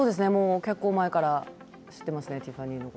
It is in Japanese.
結構前から知っていますね